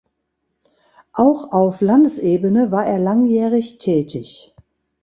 Auch auf Landesebene war er langjährig tätig.